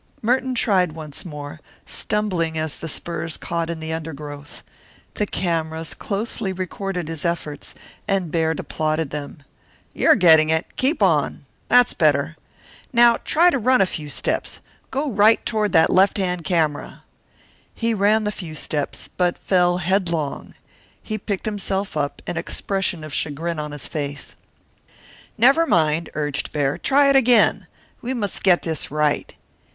Merton tried once more, stumbling as the spurs caught in the undergrowth. The cameras closely recorded his efforts, and Baird applauded them. "You're getting it keep on. That's better. Now try to run a few steps go right toward that left hand camera." He ran the few steps, but fell headlong. He picked himself up, an expression of chagrin on his face. "Never mind," urged Baird. "Try it again. We must get this right."